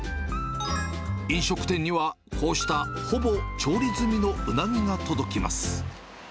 飲食店にはこうしたほぼ調理済みのうなぎが届きます。